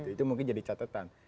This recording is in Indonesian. itu mungkin jadi catatan